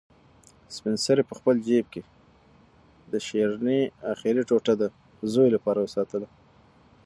سپین سرې په خپل جېب کې د شیرني اخري ټوټه د زوی لپاره وساتله.